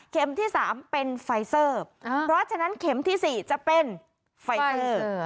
ที่๓เป็นไฟเซอร์เพราะฉะนั้นเข็มที่๔จะเป็นไฟเซอร์